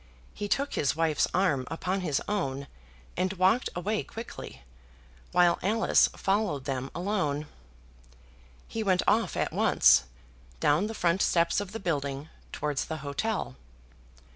He took his wife's arm upon his own, and walked away quickly, while Alice followed them alone. He went off at once, down the front steps of the building, towards the hotel.